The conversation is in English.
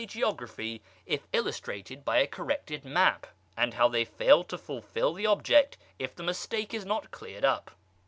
403] geography if illustrated by a corrected map; and how they fail to fulfil this object if the mistake is not cleared up.